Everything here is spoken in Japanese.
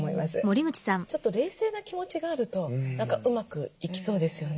ちょっと冷静な気持ちがあると何かうまくいきそうですよね。